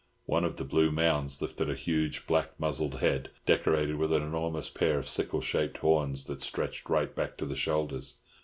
One of the blue mounds lifted a huge black muzzled head, decorated with an enormous pair of sickle shaped horns that stretched right back to the shoulders.